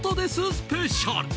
スペシャル！